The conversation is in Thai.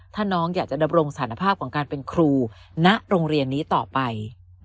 ถ้าน้องอยากจะดำรงสารภาพของการเป็นครูณโรงเรียนนี้ต่อไป